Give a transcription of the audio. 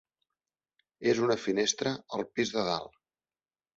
És una finestra, al pis de dalt!